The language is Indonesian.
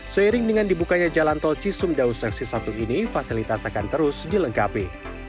seiring dengan dibukanya jalan tol cisumdau seksi satu ini fasilitas akan terus dilengkapi